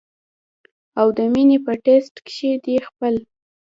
او د وینې پۀ ټېسټ کښې دې د خپل